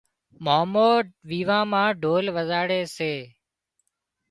مامو ويوان مان ڍول وزاڙي سي